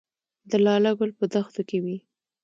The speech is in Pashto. د لاله ګل په دښتو کې وي